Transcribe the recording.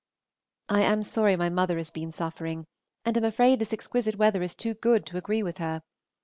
I am sorry my mother has been suffering, and am afraid this exquisite weather is too good to agree with her.